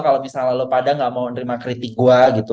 kalau misalnya lo padang gak mau nerima kritik gue gitu